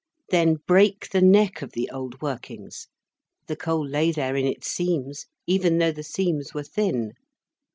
Then break the neck of the old workings. The coal lay there in its seams, even though the seams were thin.